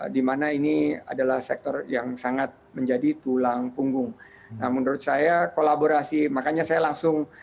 dimana ini adalah sektor yang sangat menjadi tulang punggung nah menurut saya kolaborasi makanya saya langsung